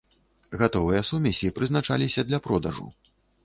Гатовыя сумесі прызначаліся для продажу.